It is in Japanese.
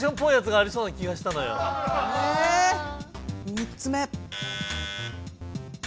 ３つ目！